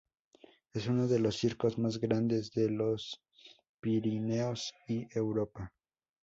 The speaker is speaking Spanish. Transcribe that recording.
Es uno de los circos más grandes de los Pirineos y Europa.